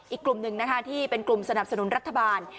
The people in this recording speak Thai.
อีกกลุ่มหนึ่งนะคะที่เป็นกลุ่มสนับสนุนรัฐบาล